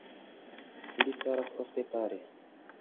Ili staras ofte pare.